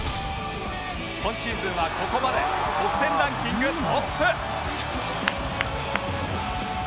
今シーズンはここまで得点ランキングトップ